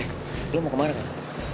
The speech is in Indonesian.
lo mau kemana kak